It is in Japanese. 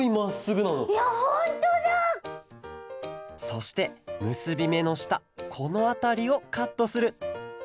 そしてむすびめのしたこのあたりをカットする。